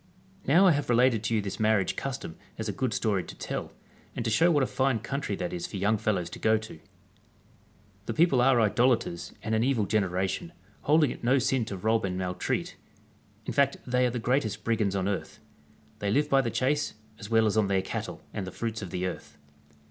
Now I have related to you this marriage custom as a good story to tell, and to show what a fine country that is for young fellows to go to I The people are Idolaters and an evil generation, holding it no sin to rob and maltreat ; in fact they are the greatest brigands on earth. They live bv the chase, as well as on their cattle and the fruits of tiie earth.